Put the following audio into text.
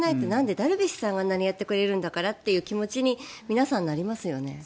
ダルビッシュさんがあんなにやってくれるんだからっていう気持ちに皆さん、なりますよね。